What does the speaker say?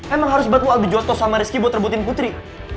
emang harus bantu albi josto sama rizky buat rebutin putri